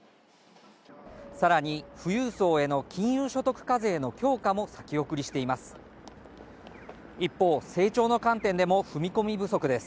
さらに富裕層への金融所得課税の強化も先送りしています